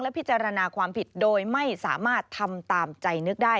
พิจารณาความผิดโดยไม่สามารถทำตามใจนึกได้